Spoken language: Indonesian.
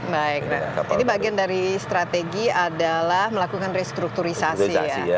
baik ini bagian dari strategi adalah melakukan restrukturisasi ya